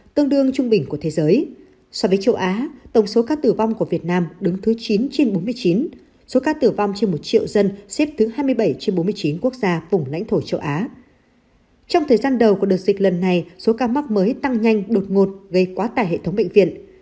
trong thời gian đầu của đợt dịch lần này số ca mắc mới tăng nhanh đột ngột gây quá tải hệ thống bệnh viện